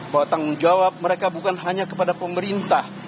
bahwa tanggung jawab mereka bukan hanya kepada pemerintah